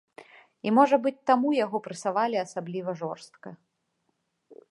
І можа быць, таму яго прэсавалі асабліва жорстка.